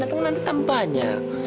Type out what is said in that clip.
datang nanti tambahnya